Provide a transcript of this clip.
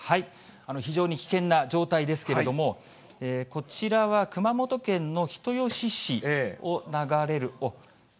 非常に危険な状態ですけれども、こちらは熊本県の人吉市を流れる。